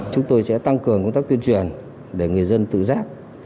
chúng tôi sẽ tăng cường công tác tuyên truyền để người dân tự giác